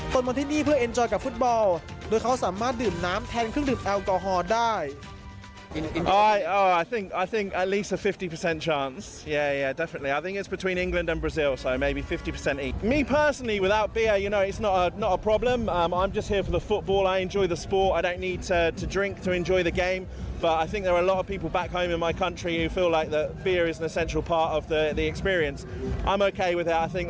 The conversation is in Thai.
ตนมาที่นี่เพื่อเอ็นจอยกับฟุตบอลโดยเขาสามารถดื่มน้ำแทนเครื่องดื่มแอลกอฮอล์ได้